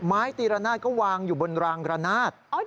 ไม้ตีระนาดก็วางอยู่บนรางระนาด